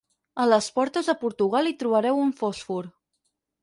A les portes de Portugal hi trobareu un fòsfor.